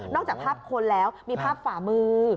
จากภาพคนแล้วมีภาพฝ่ามือ